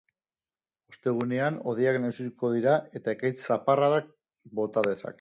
Ostegunean hodeiak nagusituko dira eta ekaitz-zaparrada bota dezake.